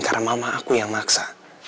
karena mama aku yang maksa